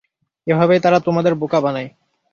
এভাবেই তারা তোমাদের বোকা বানায়।